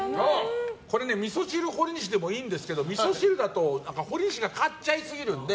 みそ汁ほりにしでもいいんですけどみそ汁だと、ほりにしが勝っちゃいすぎるんで